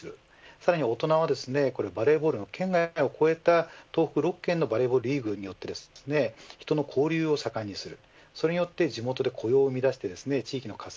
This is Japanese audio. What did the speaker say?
さらに大人は、バレーボールの垣根を越えた東北６県のバレーボールリーグによって人の交流を盛んにする。